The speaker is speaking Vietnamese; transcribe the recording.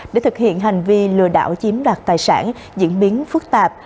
để thực hiện hành vi lừa đảo chiếm đoạt tài sản diễn biến phức tạp